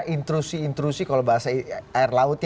intrusi intrusi kalau bahasa air laut